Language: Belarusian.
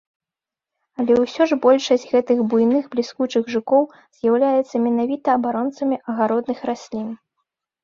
Але ўсё ж большасць гэтых буйных бліскучых жукоў з'яўляецца менавіта абаронцамі агародных раслін.